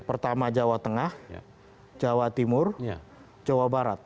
pertama jawa tengah jawa timur jawa barat